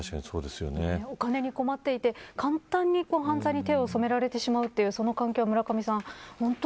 お金に困っていて、簡単に犯罪に手を染められてしまうというその関係は村上さん